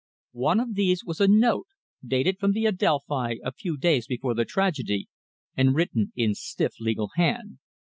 One of these was a note, dated from the Adelphi a few days before the tragedy, and written in a stiff, legal hand.